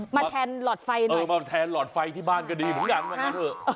แทนหลอดไฟเลยเออมาแทนหลอดไฟที่บ้านก็ดีเหมือนกันว่างั้นเถอะ